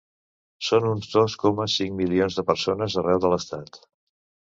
Són uns dos coma cinc milions de persones arreu de l’estat.